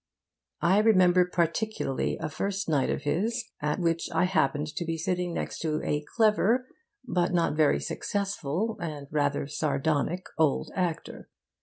I remember particularly a first night of his at which I happened to be sitting next to a clever but not very successful and rather sardonic old actor.